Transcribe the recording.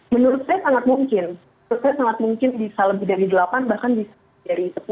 menurut saya sangat mungkin bisa lebih dari delapan bahkan bisa lebih dari sepuluh